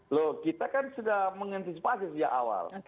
loh kita kan sudah mengantisipasi sejak awal